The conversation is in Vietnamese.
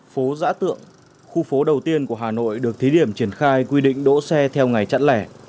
phố giã tượng khu phố đầu tiên của hà nội được thí điểm triển khai quy định đỗ xe theo ngày chặn lẻ